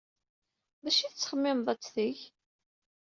D acu ay tettxemmimeḍ ad t-teg?